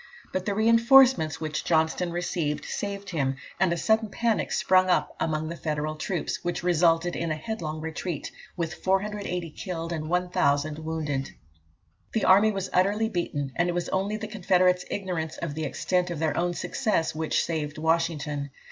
But the reinforcements which Johnston received saved him, and a sudden panic sprung up among the Federal troops, which resulted in a headlong retreat, with 480 killed and 1000 wounded. The army was utterly beaten, and it was only the Confederates' ignorance of the extent of their own success which saved Washington.